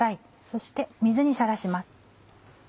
そして水にさらします。